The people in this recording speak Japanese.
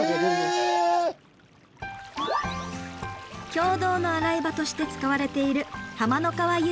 共同の洗い場として使われている浜の川湧水。